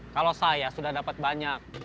kalau saya sudah dapat banyak